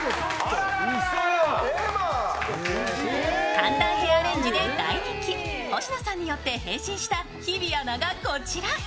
簡単ヘアアレンジで第二期、保科さんによって変身した日比アナがこちら。